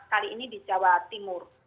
kali ini di jawa timur